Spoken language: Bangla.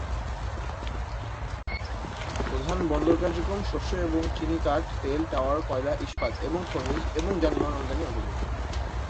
প্রধান বন্দর কার্যক্রম শস্য এবং চিনি, কাঠ, তেল টাওয়ার, কয়লা, ইস্পাত এবং খনিজ, এবং যানবাহন আমদানী অন্তর্ভুক্ত।